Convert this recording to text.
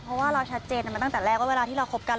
เพราะว่าเราชัดเจนมาตั้งแต่แรกว่าเวลาที่เราคบกัน